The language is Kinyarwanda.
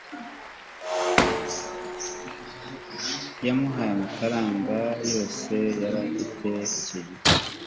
Yamuhaye amafaranga yose yari afite icyo gihe